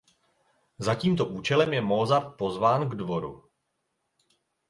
Za tímto účelem je Mozart pozván k dvoru.